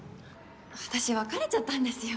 私別れちゃったんですよ